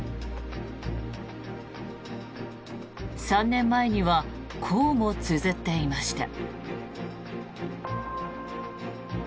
３年前にはこうもつづっていました。